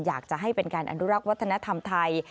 อยากจะให้เป็นการอนุรักษ์วัฒนธรรมไทย